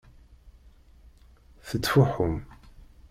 Tettfuḥum.